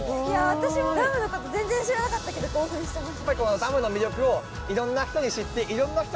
私もダムのこと全然知らなかったけど興奮してます。